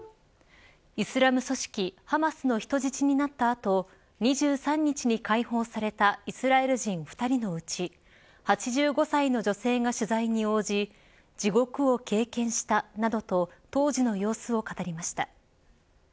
イスラム組織ハマスの人質になった後２３日に解放されたイスラエル人２人のうち８５歳の女性が取材に応じ地獄を経験した、などと当時の様子を語りました。